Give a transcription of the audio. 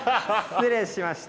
失礼しました。